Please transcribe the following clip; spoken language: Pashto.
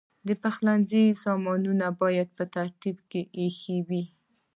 د پلورنځي سامانونه باید په ترتیب کې ایښي وي.